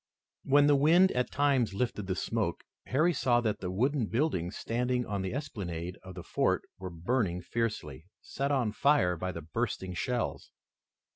When the wind at times lifted the smoke, Harry saw that the wooden buildings standing on the esplanade of the fort were burning fiercely, set on fire by the bursting shells.